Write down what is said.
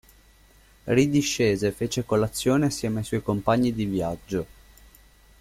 Ridiscese e fece colazione assieme ai suoi compagni di viaggio.